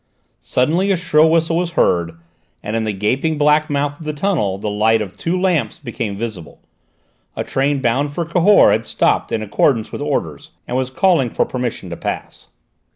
Suddenly a shrill whistle was heard, and in the gaping black mouth of the tunnel the light of two lamps became visible; a train bound for Cahors had stopped in accordance with orders, and was calling for permission to pass.